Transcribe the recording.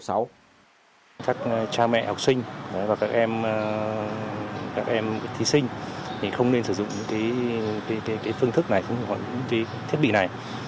chắc cha mẹ học sinh và các em thí sinh thì không nên sử dụng cái phương thức này cái thiết bị này